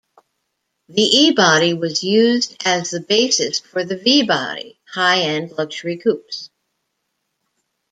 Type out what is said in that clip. The E-body was used as the basis for the V-body high-end luxury coupes.